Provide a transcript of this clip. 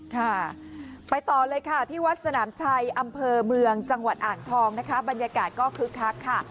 ค่ะไปต่อเลยค่ะที่วัดสนามชัยอำเภอเมืองจังหวัดอ่างทองนะคะบรรยากาศก็คึกคักค่ะ